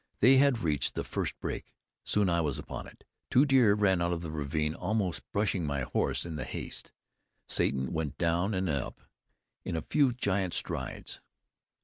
They had reached the first break. Soon I was upon it. Two deer ran out of the ravine, almost brushing my horse in the haste. Satan went down and up in a few giant strides.